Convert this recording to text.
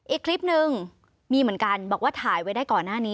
อีกคลิปนึงมีเหมือนกันบอกว่าถ่ายไว้ได้ก่อนหน้านี้